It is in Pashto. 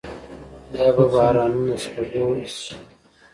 بيا بارانونه د سپرلي شو د اشنا يادونه